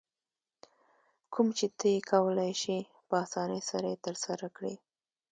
کوم چې ته یې کولای شې په اسانۍ سره یې ترسره کړې.